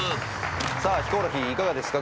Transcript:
ヒコロヒーいかがですか？